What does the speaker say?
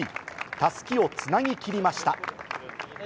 たすきをつなぎ切りました。